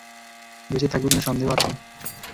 বেঁচে থাকবে কিনা সন্দেহ আছে!